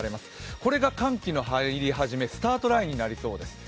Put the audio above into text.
これが寒気の入り始め、スタートラインになりそうです。